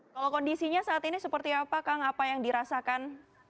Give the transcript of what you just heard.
kalau kondisinya saat ini seperti apa kang apa yang dirasakan